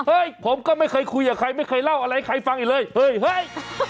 ผมก็ไม่เคยคุยกับใครไม่เคยเล่าอะไรให้ใครฟังอีกเลยเฮ้ยเฮ้ย